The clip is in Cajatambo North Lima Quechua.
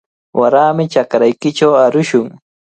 Warami chakraykichaw arushun.